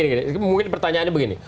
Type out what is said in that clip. gini mungkin pertanyaannya begini